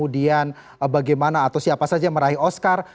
dan bagaimana atau siapa saja meraih oscar